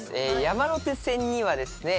山手線にはですね